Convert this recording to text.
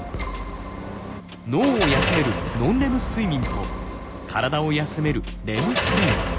脳を休めるノンレム睡眠と体を休めるレム睡眠。